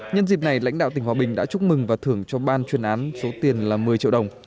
nhân dịp này lãnh đạo tỉnh hòa bình đã chúc mừng và thưởng cho ban chuyên án số tiền là một mươi triệu đồng